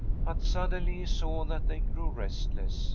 But suddenly he saw that they grew restless.